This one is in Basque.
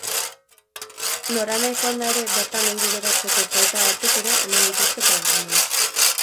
Noranahi joanda ere bertan ongi geratzeko pauta batzuk ere eman dituzte programan.